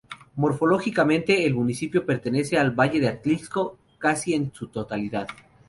Morfológicamente, el municipio pertenece al valle de Atlixco casi en su totalidad.